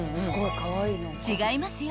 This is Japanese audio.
［違いますよ！